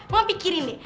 mama pikirin deh